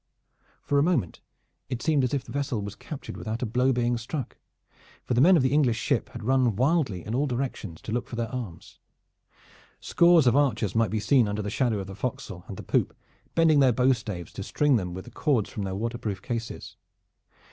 For a moment it seemed as if the vessel was captured without a blow being struck, for the men of the English ship had run wildly in all directions to look for their arms. Scores of archers might be seen under the shadow of the forecastle and the poop bending their bowstaves to string them with the cords from their waterproof cases.